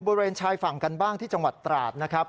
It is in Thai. บริเวณชายฝั่งกันบ้างที่จังหวัดตราดนะครับ